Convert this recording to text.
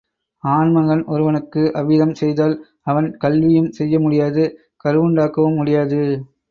ஆண்மகன் ஒருவனுக்கு அவ்விதம் செய்தால் அவன் கலவியும் செய்யமுடியாது, கருவுண்டாக்கவும் முடியாது.